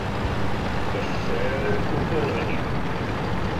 Efallai dwbl hynny.